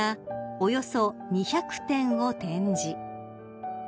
およそ２００点を展示］